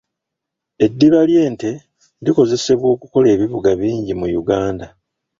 Eddiba ly'ente likozesebwa okukola ebivuga bingi mu Uganda.